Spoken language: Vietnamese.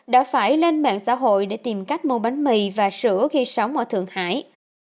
đã phải lên mạng xã hội để tìm cách mua bánh mì và sữa khi sống ở thượng hải